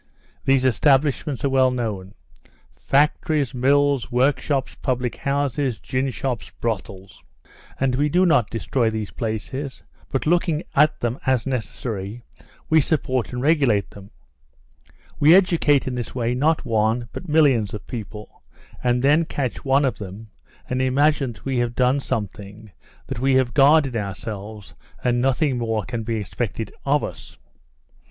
These establishments are well known: factories, mills, workshops, public houses, gin shops, brothels. And we do not destroy these places, but, looking at them as necessary, we support and regulate them. We educate in this way not one, but millions of people, and then catch one of them and imagine that we have done something, that we have guarded ourselves, and nothing more can be expected of us.